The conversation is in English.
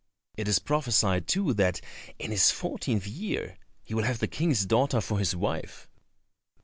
It is prophesied, too, that in his fourteenth year he will have the King's daughter for his wife."